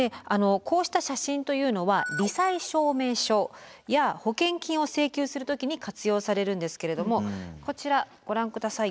こうした写真というのはり災証明書や保険金を請求する時に活用されるんですけれどもこちらご覧下さい。